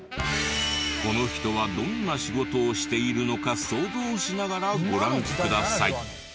この人はどんな仕事をしているのか想像しながらご覧ください。